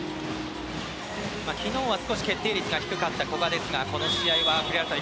昨日は少し決定率が低かった古賀ですがこの試合は、栗原さん